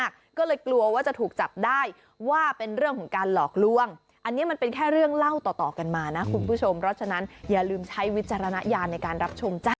ก็เลยกลัวว่าจะถูกจับได้ว่าเป็นเรื่องของการหลอกล่วงอันนี้มันเป็นแค่เรื่องเล่าต่อต่อกันมานะคุณผู้ชมเพราะฉะนั้นอย่าลืมใช้วิจารณญาณในการรับชมจ้ะ